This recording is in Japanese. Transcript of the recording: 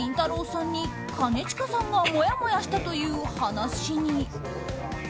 さんに兼近さんがもやもやしたという話に。